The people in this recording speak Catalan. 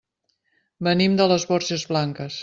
Venim de les Borges Blanques.